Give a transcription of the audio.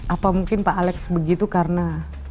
apa mungkin pak alex begitu karena